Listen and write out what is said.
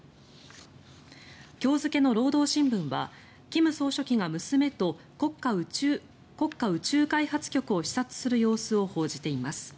今日付の労働新聞は金総書記が娘と国家宇宙開発局を視察する様子を報じています。